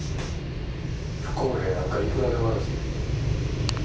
不公平なんかいくらでもあるぞ。